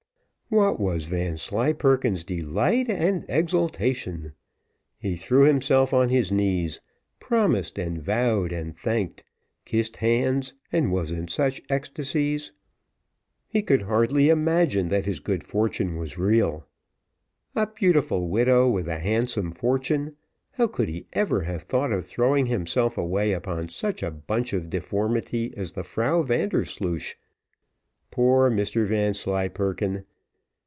What was Vanslyperken's delight and exultation! He threw himself on his knees, promised, and vowed, and thanked, kissed hands, and was in such ecstasies! He could hardly imagine that his good fortune was real. A beautiful widow with a handsome fortune how could he ever have thought of throwing himself away upon such a bunch of deformity as the Frau Vandersloosh? Poor Mr Vanslyperken!